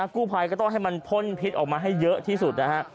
กู้ภัยก็ต้องให้มันพ่นพิษออกมาให้เยอะที่สุดนะฮะ